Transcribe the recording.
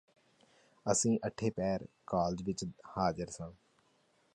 ਅਸੀਂ ਅੱਠੇ ਪਹਿਰ ਕਾਲਜ ਵਿਚ ਹਾਜ਼ਰ ਸਾਂ